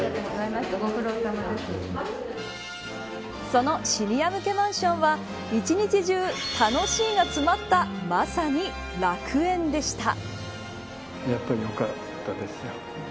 そのシニア向けマンションは一日中、楽しいが詰まったまさに楽園でした。